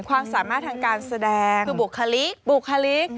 ความสามารถทางการแสดงคือบุคลิกบุคลิก